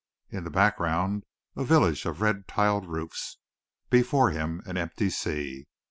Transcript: In the background, a village of red tiled roofs. Before him, an empty sea.